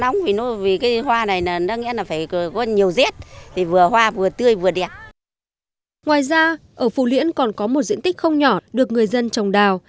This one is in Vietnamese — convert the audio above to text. ngoài ra ở phú liễn còn có một diện tích không nhỏ được người dân trồng đào